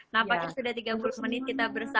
nah pagi sudah tiga puluh menit kita bersama